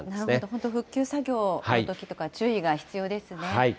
なるほど、本当、復旧作業のときとか注意が必要ですね。